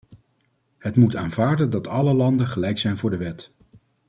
Het moet aanvaarden dat alle landen gelijk zijn voor de wet.